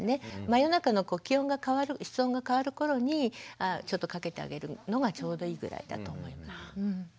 真夜中の気温が変わる室温が変わる頃にちょっと掛けてあげるのがちょうどいいぐらいだと思います。